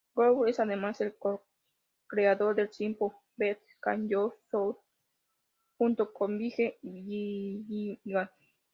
Gould es además el cocreador del spin-off "Better Call Saul" junto con Vince Gilligan.